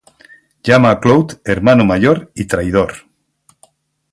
Llama a Cloud "hermano mayor" y "traidor".